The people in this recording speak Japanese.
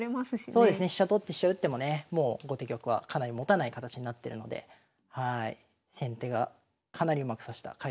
そうですね飛車取って飛車打ってもねもう後手玉はかなりもたない形になってるので先手がかなりうまく指した快勝譜となりました。